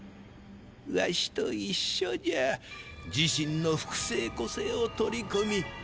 ワシといっしょじゃ自身の複製個性を取り込み